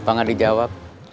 kenapa gak dijawab